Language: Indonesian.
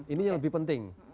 ini yang lebih penting